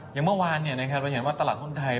อย่างเมื่อวานเนี่ยนะครับเราเห็นว่าตลาดหุ้นไทย